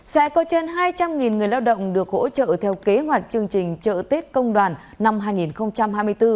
sẽ có trên hai trăm linh người lao động được hỗ trợ theo kế hoạch chương trình chợ tết công đoàn năm hai nghìn hai mươi bốn